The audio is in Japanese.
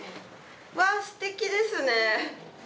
わぁすてきですね。